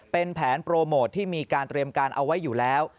เป็นแผนโปรโมทที่มีการเตรียมการเอาไว้อยู่แล้ว